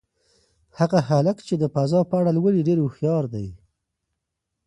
هغه هلک چې د فضا په اړه لولي هوښیار دی.